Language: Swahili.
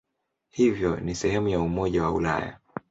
Hivyo ni sehemu ya Umoja wa Ulaya.